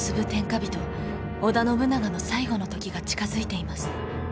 織田信長の最期の時が近づいています。